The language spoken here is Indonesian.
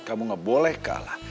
kamu gak boleh kalah